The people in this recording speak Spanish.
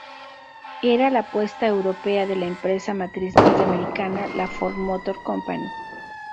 Era la apuesta europea de la empresa matriz norteamericana, la Ford Motor Company.